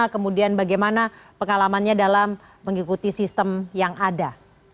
kemudian bagaimana pengalamannya dalam mengikuti sistem yang ada